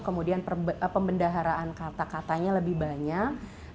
kemudian pembendaharaan kata katanya lebih banyak